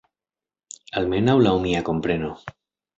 Almenaŭ laŭ mia kompreno.